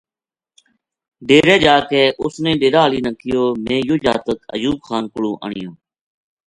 ڈیرے جا کے اس نے ڈیرا ہالی نا کہیو میں یوہ جاتک ایوب خان کولوں آنیو